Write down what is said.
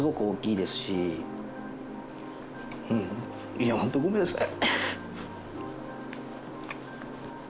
いやホントごめんなさい。